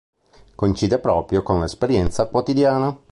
Coincide proprio con l'esperienza quotidiana.